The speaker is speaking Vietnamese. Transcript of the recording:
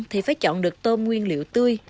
thì phải chọn được tôm nguyên liệu tươi